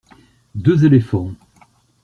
Deux éléphants.